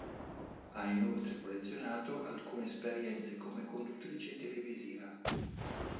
Ha inoltre collezionato alcune esperienze come conduttrice televisiva.